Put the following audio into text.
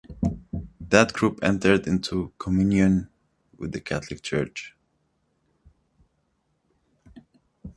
That group entered into communion with the Catholic Church.